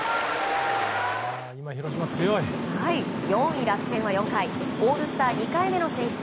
４位、楽天は４回オールスター２回目の選出